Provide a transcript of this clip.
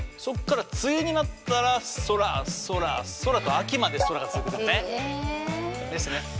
そこから梅雨になったら「空」「空」「空」と秋まで「空」が続くんですね。